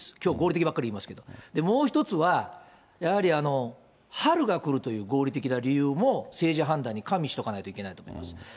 きょう、合理的ばっかり言いますけど、もう一つはやはり春が来るという合理的な理由も、政治判断に加味しておかないといけないと思います。